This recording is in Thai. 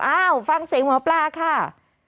อ้าวฟังเสียงหมอปลาค่ะ